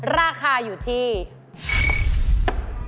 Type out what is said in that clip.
อยากตอบเลยไหม